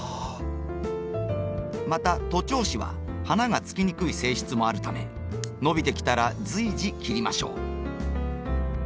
また徒長枝は花がつきにくい性質もあるため伸びてきたら随時切りましょう。